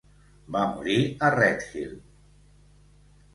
Va morir a Redhill.